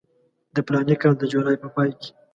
د فلاني کال د جولای په پای کې.